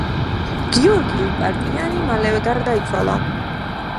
გიორგი ლიპარტიანი მალევე გარდაიცვალა.